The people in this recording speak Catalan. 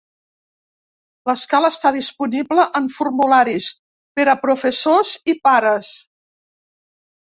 L'escala està disponible en formularis per a professors i pares.